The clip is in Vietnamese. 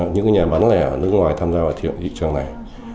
những nhà bán lẻ ở nước ngoài tham gia vào thiệu thị trường này